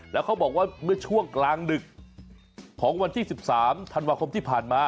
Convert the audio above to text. แล้วเขาบอกว่าเมื่อช่วงกลางดึกของวันที่๑๓ธันวาคมที่ผ่านมา